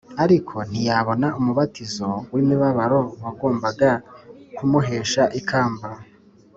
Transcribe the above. , ariko ntiyabona umubatizo w’imibabaro wagombaga kumuhesha ikamba